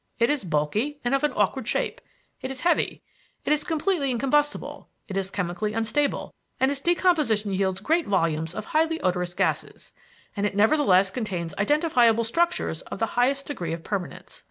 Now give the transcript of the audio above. It is bulky and of an awkward shape, it is heavy, it is completely incombustible, it is chemically unstable, and its decomposition yields great volumes of highly odorous gases, and it nevertheless contains identifiable structures of the highest degree of permanence.